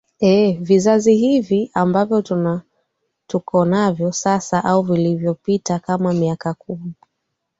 ee vizazi hivi ambavyo tukonavyo sasa au vilivo pita kama miaka kumi